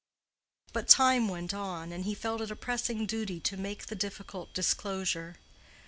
But time went on, and he felt it a pressing duty to make the difficult disclosure.